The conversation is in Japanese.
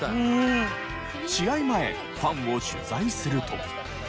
前ファンを取材すると。